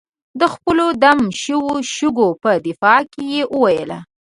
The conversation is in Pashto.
د خپلو دم شوو شګو په دفاع کې یې وویل.